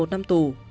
một mươi một năm tù